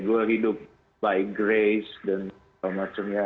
gue hidup by grace dan semacamnya